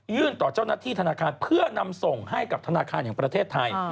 ต่อเจ้าหน้าที่ธนาคารเพื่อนำส่งให้กับธนาคารแห่งประเทศไทย